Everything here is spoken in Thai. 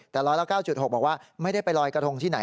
แต่ร้อยละ๙๖บอกว่าไม่ได้ไปลอยกระทงที่ไหน